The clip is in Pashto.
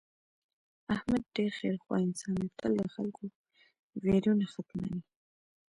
احمد ډېر خیر خوا انسان دی تل د خلکو ویرونه ختموي.